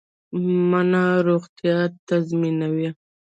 مڼه روغتیا تضمینوي